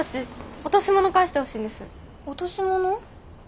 落とし物？